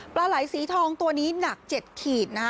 ปลาไหลสีทองตัวนี้หนัก๗ขีดนะฮะ